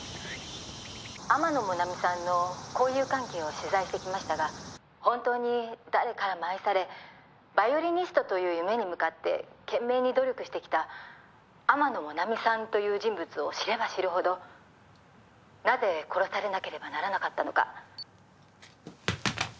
「天野もなみさんの交友関係を取材してきましたが本当に誰からも愛されバイオリニストという夢に向かって懸命に努力してきた天野もなみさんという人物を知れば知るほどなぜ殺されなければならなかったのか」